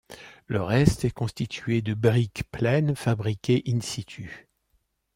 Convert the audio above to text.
Le reste est constitué de briques pleines fabriquées in-situ.